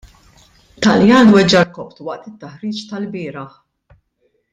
Taljan weġġa' rkopptu waqt it-taħriġ tal-bieraħ.